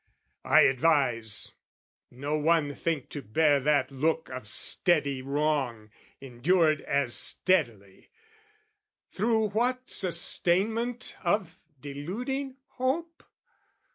I advise no one think to bear that look Of steady wrong, endured as steadily, Through what sustainment of deluding hope?